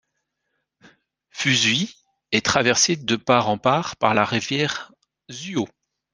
Fusui est traversée de part en part par la rivière Zuo.